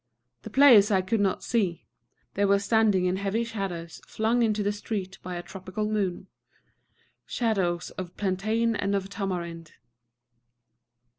The players I could not see: they were standing in heavy shadows flung into the street by a tropical moon, shadows of plantain and of tamarind.